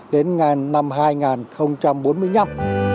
đến năm hai nghìn bốn mươi năm